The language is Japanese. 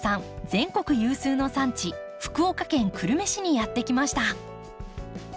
全国有数の産地福岡県久留米市にやって来ました。